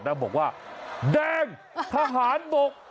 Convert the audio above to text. บอกว่าแดงทหารบก